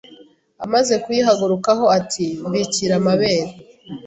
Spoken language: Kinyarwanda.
amaze kuyihagurukaho ati “Mbikira amabere